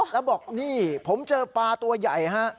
แล้วบอกนี่ผมเจอปลาตัวใหญ่ฮะ